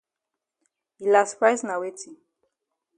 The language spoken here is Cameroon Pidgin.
Yi las price na weti?